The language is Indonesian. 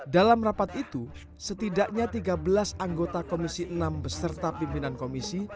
dalam rapat itu setidaknya tiga belas anggota komisi enam beserta pimpinan komisi